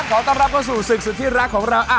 ขอต้อนรับเข้าสู่ศึกสุดที่รักของเรา